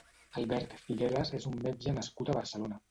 Albert Figueras és un metge nascut a Barcelona.